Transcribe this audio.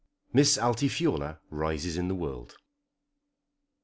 MISS ALTIFIORLA RISES IN THE WORLD.